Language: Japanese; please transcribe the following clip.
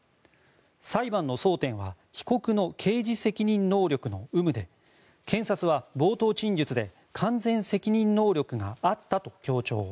裁判の争点は被告の刑事責任能力の有無で検察は冒頭陳述で完全責任能力があったと強調。